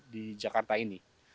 di jakarta ini